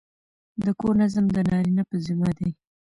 د کور نظم د نارینه په ذمه دی.